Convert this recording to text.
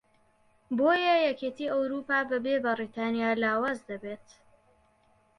بۆیە یەکێتی ئەوروپا بەبێ بەریتانیا لاواز دەبێت